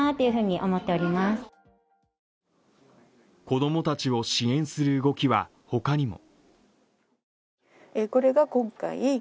子供たちを支援する動きは他にも。